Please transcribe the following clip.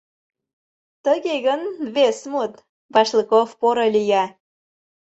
— Тыге гын — вес мут, — Башлыков поро лие.